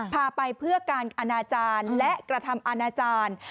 พาไปเพื่อการอนาจารย์และกระทำอาณาจารย์